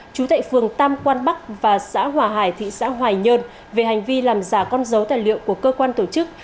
trú tại phường tam quan bắc và xã hòa hải thị xã hoài nhơn về hành vi làm giả con dấu tài liệu của cơ quan tổ chức